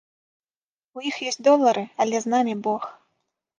У іх ёсць долары, але з намі бог.